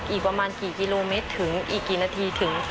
อีกประมาณกี่กิโลเมตรถึงอีกกี่นาทีถึง